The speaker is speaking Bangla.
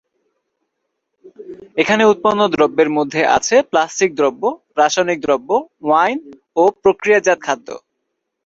এখানে উৎপন্ন দ্রব্যের মধ্যে আছে প্লাস্টিক দ্রব্য, রাসায়নিক দ্রব্য, ওয়াইন ও প্রক্রিয়াজাত খাদ্য।